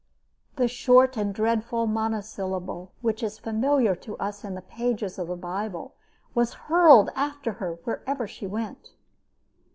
The short and dreadful monosyllable which is familiar to us in the pages of the Bible was hurled after her wherever she went.